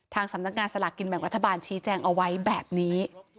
สำนักงานสลากกินแบ่งรัฐบาลชี้แจงเอาไว้แบบนี้